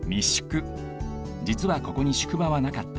じつはここに宿場はなかった。